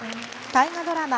大河ドラマ